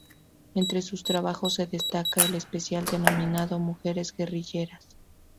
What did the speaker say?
Entre sus trabajos se destaca el especial denominado "Mujeres guerrilleras".